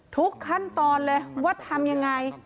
ทุกขั้นตอนเลยว่าทำยังไง